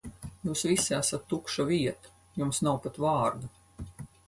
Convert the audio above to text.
Jūs visi esat tukša vieta, jums nav pat vārda.